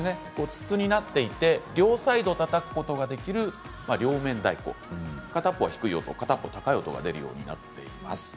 筒になっていて両サイドをたたくことができる両面太鼓片方は低い音、片っぽは高い音が出るようになっています。